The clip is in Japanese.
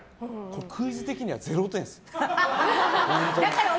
クイズ的には０点です。